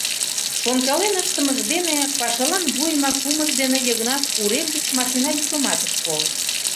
Шонкален ыштымыж дене, пашалан вуйымак пуымыж дене Йыгнат урем гыч машина йӱкымат ыш кол.